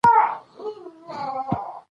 او بدوي قبايلو ته رسېدلى،